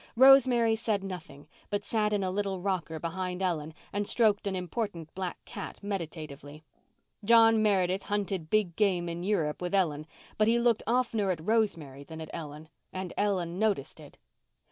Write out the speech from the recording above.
Rosemary said nothing, but sat in a little rocker behind Ellen and stroked an important black cat meditatively. John Meredith hunted big game in Europe with Ellen, but he looked oftener at Rosemary than at Ellen, and Ellen noticed it.